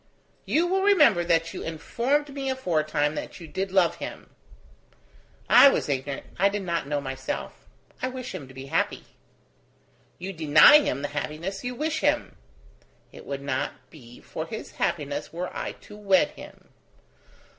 "You will remember that you informed me aforetime that you did love him." "I was ignorant ... I did not know myself. I wish him to be happy." "You deny him the happiness you wish him!" "It would not be for his happiness were I to wed him."